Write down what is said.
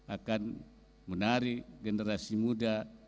akan menarik generasi muda